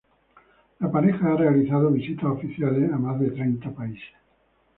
La pareja, ha realizado visitas oficiales a más de treinta países.